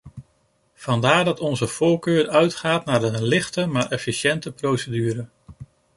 Vandaar dat onze voorkeur uitgaat naar een lichte, maar efficiënte procedure.